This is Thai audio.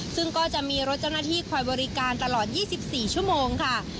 ซึ่งก็จะมีรถเจ้าหน้าที่คอยบริการตลอด๒๔ชั่วโมงค่ะ